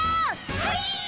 はい！